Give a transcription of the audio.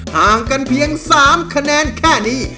ห่างกันเพียง๓คะแนนแค่นี้